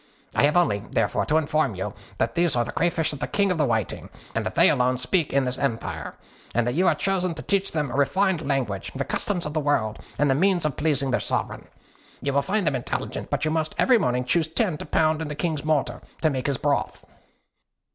I have only, therefore, to inform you that these are the crayfish of the King of the Whiting, that they alone speak in this empire, and that you are chosen to teach them refined language, the customs of the world, and the means of pleasing their sovereign. You will find them intelligent; but you must every morning choose ten to pound in the King's mortar, to make his broth."